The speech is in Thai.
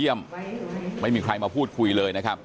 ทีมข่าวเราก็พยายามสอบปากคำในแหบนะครับ